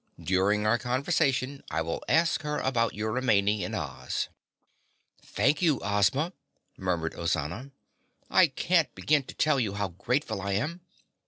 During our conversation I will ask her about your remaining in Oz." "Thank you, Ozma," murmured Ozana. "I can't begin to tell you how grateful I am."